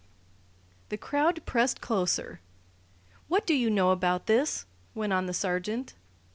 The crowd pressed closer. "What do you know about this?" went on the sergeant.